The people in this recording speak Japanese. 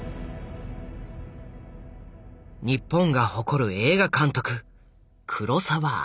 日本が誇る映画監督黒澤明。